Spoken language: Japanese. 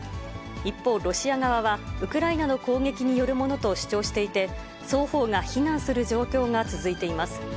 一方、ロシア側は、ウクライナの攻撃によるものと主張していて、双方が非難する状況が続いています。